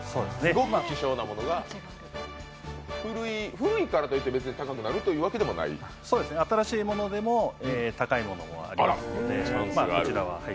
古いからといって別に高くなるというわけではない？新しいものでも高いものもあります。